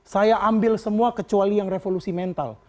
saya ambil semua kecuali yang revolusi mental